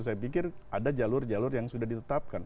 saya pikir ada jalur jalur yang sudah ditetapkan